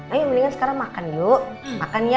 ayo mendingan sekarang makan yuk makan ya